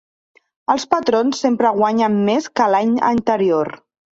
Els patrons sempre guanyen més que l'any anterior.